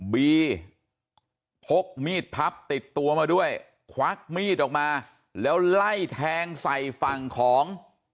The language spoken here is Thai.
บีพกมีดพับติดตัวมาด้วยควักมีดออกมาแล้วไล่แทงใส่ฝั่งของ